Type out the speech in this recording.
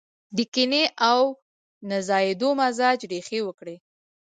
د کينې او نه ځايېدو مزاج ريښې وکړي.